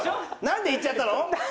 「なんでいっちゃったの」。